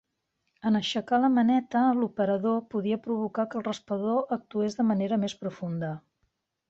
En aixecar la maneta, l'operador podria provocar que el raspador actués de manera més profunda.